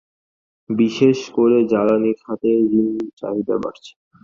বিশেষ করে জ্বালানি খাতের ঋণ চাহিদা বাড়ছে।